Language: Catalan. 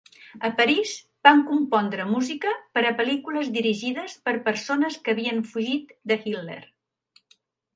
A París, van compondre música per a pel·lícules dirigides per persones que havien fugit de Hitler.